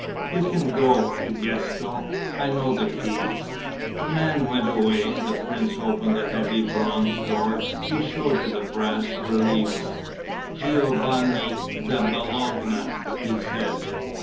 "You can go, Egisto. I know the keys." The man went away. The prince opened a heavy bronze door. He showed her the bas reliefs: "Giovanni da Bologna," he said.